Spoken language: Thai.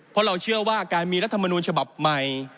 เพราะเราเชื่อว่าการมีรัฐมนูลฉบับใหม่